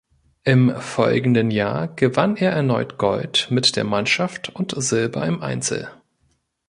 Im folgenden Jahr gewann er erneut Gold mit der Mannschaft und Silber im Einzel.